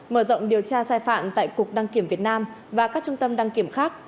mở rộng điều tra sai phạm tại cục đăng kiểm việt nam và các trung tâm đăng kiểm khác